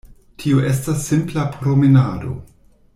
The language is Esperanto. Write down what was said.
Tio estas simpla promenado.